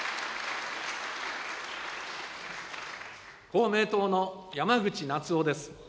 公明党の山口那津男です。